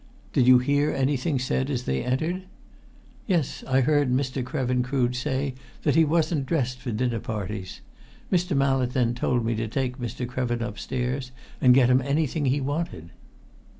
"Did you hear anything said as they entered?" "Yes, I heard Mr. Krevin Crood say that he wasn't dressed for dinner parties. Mr. Mallett then told me to take Mr. Krevin upstairs and get him anything he wanted."